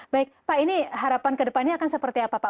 baik pak ini harapan kedepannya akan seperti apa pak